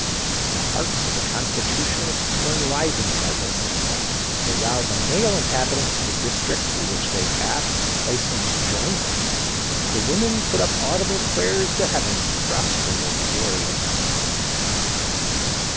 The hearts of the Constitutionalists were enlivened by this success; for while the male inhabitants of the district through which they passed hastened to join them, the women put up audible prayers to heaven to prosper their glorious enterprise.